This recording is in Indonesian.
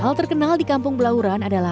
hal terkenal di kampung belauran adalah